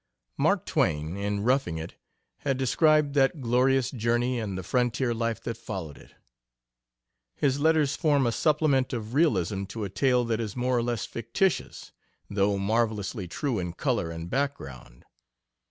Mark Twain, in Roughing It, has described that glorious journey and the frontier life that followed it. His letters form a supplement of realism to a tale that is more or less fictitious, though marvelously true in color and background.